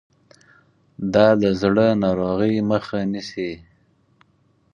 دا د زړه ناروغۍ مخه نیسي.